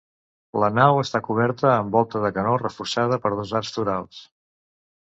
La nau està coberta amb volta de canó reforçada per dos arcs torals.